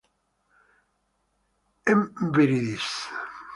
M. viridis